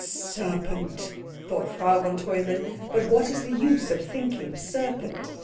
"Serpent," thought Frau von Treumann; but what is the use of thinking serpent?